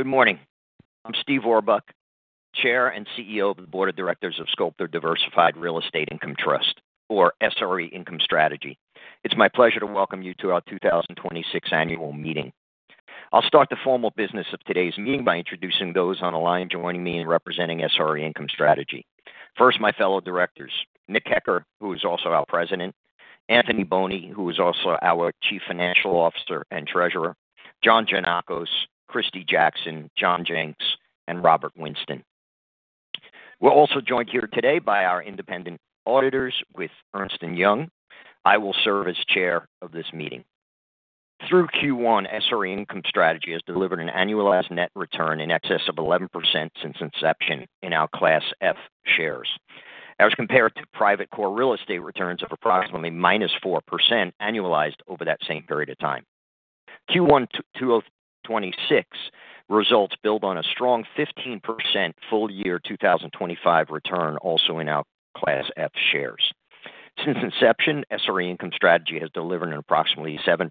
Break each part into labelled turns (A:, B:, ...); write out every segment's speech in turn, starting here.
A: Good morning. I'm Steven Orbuch, Chair and CEO of the Board of Directors of Sculptor Diversified Real Estate Income Trust, or SRE Income Strategy. It's my pleasure to welcome you to our 2026 annual meeting. I'll start the formal business of today's meeting by introducing those on the line joining me in representing SRE Income Strategy. First, my fellow directors, Nick Hecker, who is also our President. Anthony Boney, who is also our Chief Financial Officer and Treasurer. John Geanakos, Kristi Jackson, John Jenks, and Robert Winston. We're also joined here today by our independent auditors with Ernst & Young. I will serve as chair of this meeting. Through Q1, SRE Income Strategy has delivered an annualized net return in excess of 11% since inception in our Class F shares, as compared to private core real estate returns of approximately minus 4% annualized over that same period of time. Q1 2026 results build on a strong 15% full year 2025 return, also in our Class F shares. Since inception, SRE Income Strategy has delivered an approximately 7%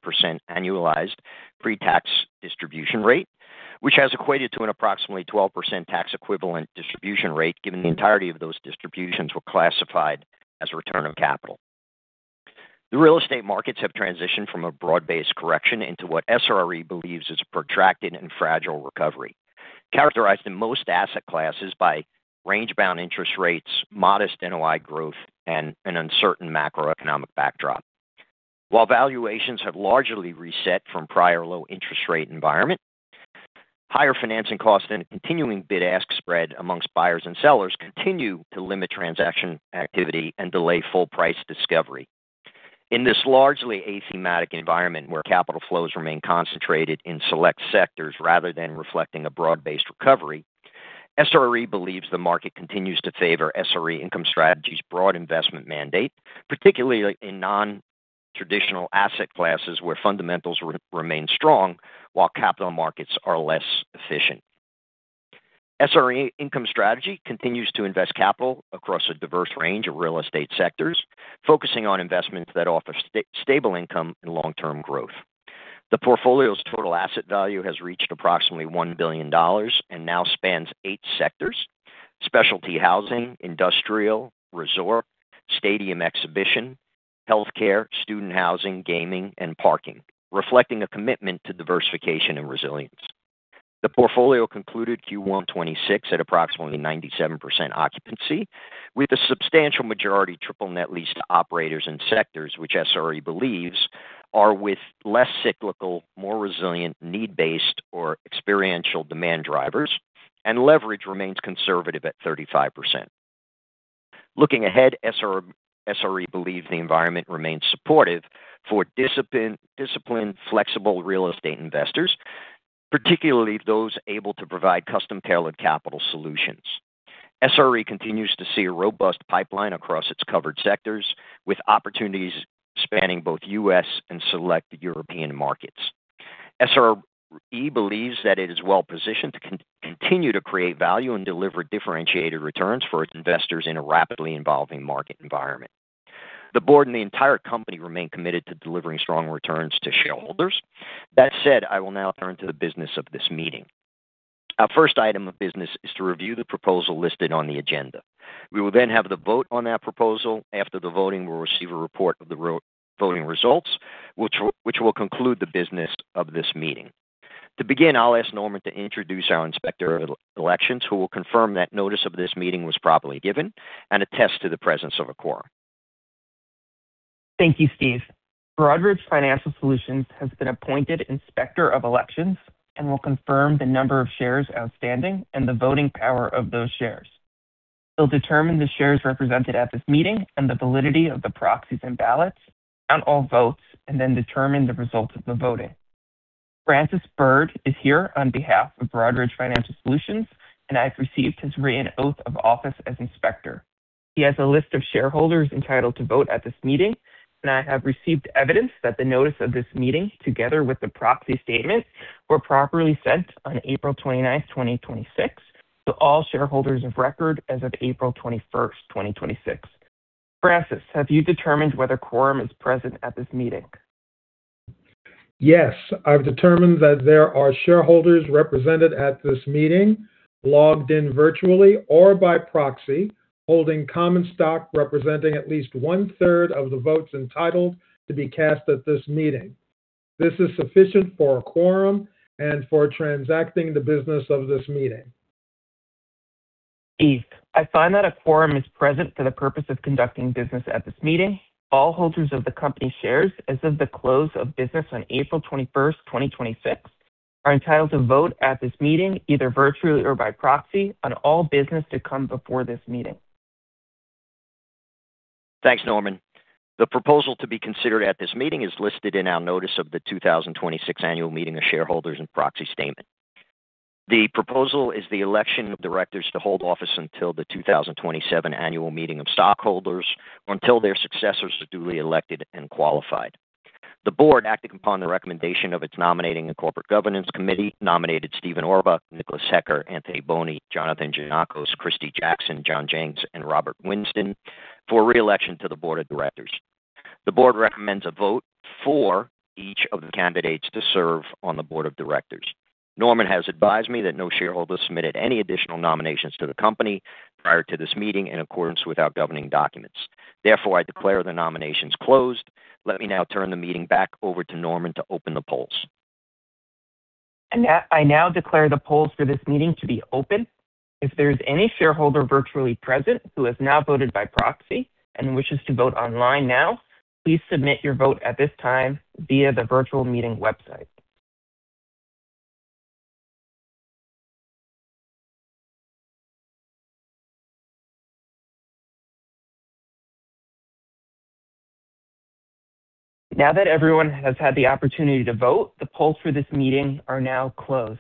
A: annualized pre-tax distribution rate, which has equated to an approximately 12% tax equivalent distribution rate, given the entirety of those distributions were classified as a return of capital. The real estate markets have transitioned from a broad-based correction into what SRE believes is a protracted and fragile recovery, characterized in most asset classes by range-bound interest rates, modest NOI growth, and an uncertain macroeconomic backdrop. While valuations have largely reset from prior low interest rate environment, higher financing costs and a continuing bid-ask spread amongst buyers and sellers continue to limit transaction activity and delay full price discovery. In this largely aschematic environment where capital flows remain concentrated in select sectors rather than reflecting a broad-based recovery, SRE believes the market continues to favor SRE Income Strategy's broad investment mandate, particularly in non-traditional asset classes where fundamentals remain strong while capital markets are less efficient. SRE Income Strategy continues to invest capital across a diverse range of real estate sectors, focusing on investments that offer stable income and long-term growth. The portfolio's total asset value has reached approximately $1 billion and now spans eight sectors: specialty housing, industrial, resort, stadium exhibition, healthcare, student housing, gaming, and parking, reflecting a commitment to diversification and resilience. The portfolio concluded Q1 2026 at approximately 97% occupancy, with a substantial majority triple net leased to operators and sectors which SRE believes are with less cyclical, more resilient, need-based, or experiential demand drivers, and leverage remains conservative at 35%. Looking ahead, SRE believes the environment remains supportive for disciplined, flexible real estate investors, particularly those able to provide custom-tailored capital solutions. SRE continues to see a robust pipeline across its covered sectors, with opportunities spanning both U.S. and select European markets. SRE believes that it is well-positioned to continue to create value and deliver differentiated returns for its investors in a rapidly evolving market environment. The board and the entire company remain committed to delivering strong returns to shareholders. That said, I will now turn to the business of this meeting. Our first item of business is to review the proposal listed on the agenda. We will then have the vote on that proposal. After the voting, we'll receive a report of the voting results, which will conclude the business of this meeting. To begin, I'll ask Norman to introduce our Inspector of Elections, who will confirm that notice of this meeting was properly given and attest to the presence of a quorum.
B: Thank you, Steve. Broadridge Financial Solutions has been appointed Inspector of Elections and will confirm the number of shares outstanding and the voting power of those shares. He'll determine the shares represented at this meeting and the validity of the proxies and ballots on all votes, and then determine the results of the voting. Francis Bird is here on behalf of Broadridge Financial Solutions, and I've received his written oath of office as Inspector. He has a list of shareholders entitled to vote at this meeting, and I have received evidence that the notice of this meeting, together with the proxy statement, were properly sent on April 29th, 2026, to all shareholders of record as of April 21st, 2026. Francis, have you determined whether quorum is present at this meeting?
C: Yes. I've determined that there are shareholders represented at this meeting, logged in virtually or by proxy, holding common stock representing at least one-third of the votes entitled to be cast at this meeting. This is sufficient for a quorum and for transacting the business of this meeting.
B: Steve, I find that a quorum is present for the purpose of conducting business at this meeting. All holders of the company shares as of the close of business on April 21st, 2026, are entitled to vote at this meeting, either virtually or by proxy, on all business to come before this meeting.
A: Thanks, Norman. The proposal to be considered at this meeting is listed in our notice of the 2026 annual meeting of shareholders and proxy statement. The proposal is the election of directors to hold office until the 2027 annual meeting of stockholders or until their successors are duly elected and qualified. The board, acting upon the recommendation of its Nominating and Corporate Governance Committee, nominated Steven Orbuch, Nicholas Hecker, Anthony Boney, Jonathan Geanakos, Kristi Jackson, John Jenks, and Robert Winston for re-election to the board of directors. The board recommends a vote for each of the candidates to serve on the board of directors. Norman has advised me that no shareholder submitted any additional nominations to the company prior to this meeting in accordance with our governing documents. Therefore, I declare the nominations closed. Let me now turn the meeting back over to Norman to open the polls.
B: I declare the polls for this meeting to be open. If there's any shareholder virtually present who has not voted by proxy and wishes to vote online now, please submit your vote at this time via the virtual meeting website. Now that everyone has had the opportunity to vote, the polls for this meeting are now closed.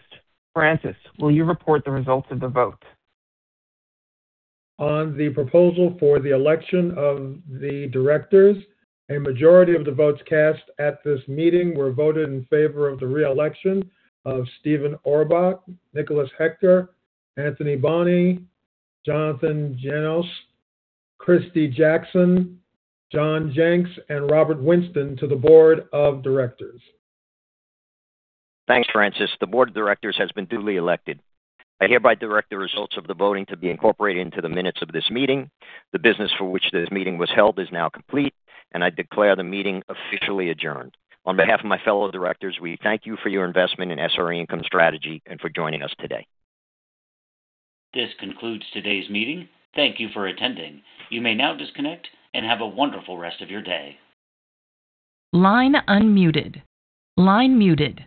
B: Francis, will you report the results of the vote?
C: On the proposal for the election of the directors, a majority of the votes cast at this meeting were voted in favor of the re-election of Steven Orbuch, Nicholas Hecker, Anthony Boney, Jonathan Geanakos, Kristi Jackson, John Jenks, and Robert Winston to the board of directors.
A: Thanks, Francis. The board of directors has been duly elected. I hereby direct the results of the voting to be incorporated into the minutes of this meeting. The business for which this meeting was held is now complete, and I declare the meeting officially adjourned. On behalf of my fellow directors, we thank you for your investment in SRE Income Strategy and for joining us today.
D: This concludes today's meeting. Thank you for attending. You may now disconnect and have a wonderful rest of your day. Line unmuted. Line muted.